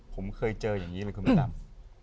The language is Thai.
ผมเคยเจออย่างนี้เลยคุณพระดำ